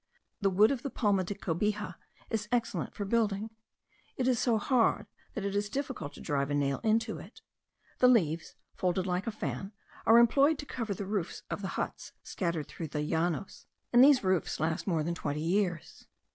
The wood of the palma de cobija is excellent for building. It is so hard, that it is difficult to drive a nail into it. The leaves, folded like a fan, are employed to cover the roofs of the huts scattered through the Llanos; and these roofs last more than twenty years.